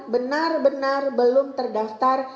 benar benar belum terdaftar